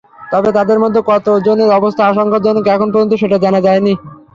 তবে তাঁদের মধ্যে কতজনের অবস্থা আশঙ্কাজনক, এখন পর্যন্ত সেটা জানা যায়নি।